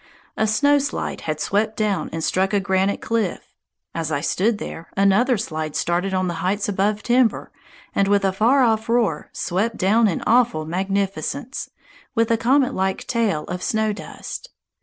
A snow slide had swept down and struck a granite cliff. As I stood there, another slide started on the heights above timber, and with a far off roar swept down in awful magnificence, with a comet like tail of snow dust.